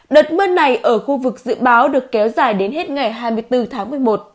đợt mưa này ở khu vực dự báo được kéo dài đến hết ngày hai mươi bốn tháng một mươi một